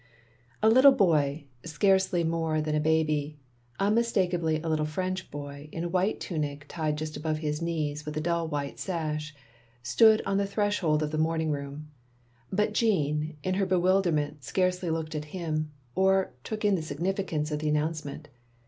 A LITTLE boy, scarcely more than a baby — unmis takably a little French boy, in a white tunic tied just above his knees with a dull white sash — stood on the threshold of the moming room. But Jeanne, in her bewilderment, scarcely looked at him, or took in the significance of the annotince ment.